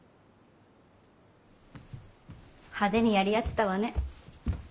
派手にやり合ってたわね。